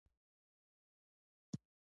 هغوی د حل لار نه غوره کوله.